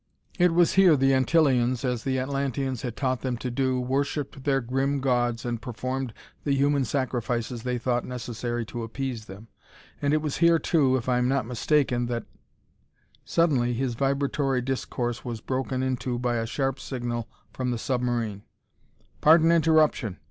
It was here the Antillians, as the Atlanteans had taught them to do, worshipped their grim gods and performed the human sacrifices they thought necessary to appease them. And it was here, too, if I am not mistaken, that " Suddenly his vibratory discourse was broken into by a sharp signal from the submarine: "Pardon interruption!